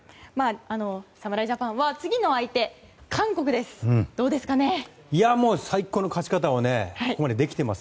侍ジャパンは次の相手、韓国です。